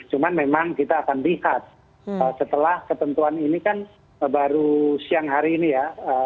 cuman memang kita akan lihat setelah ketentuan ini kan baru siang hari ini ya